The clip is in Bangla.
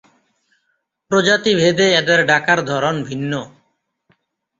প্রজাতি ভেদে এদের ডাকার ধরন ভিন্ন।